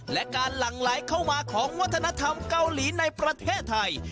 และการหลั่งไหลเข้ามาของวัฒนธรรมเกาหลีในประเทศไทย